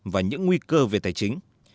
và những nguy cơ về tài chính